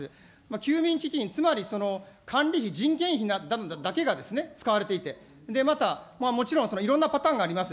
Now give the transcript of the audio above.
休眠基金、つまり管理費、人件費だけが使われていて、またもちろんいろんなパターンがございます。